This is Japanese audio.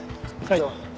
はい。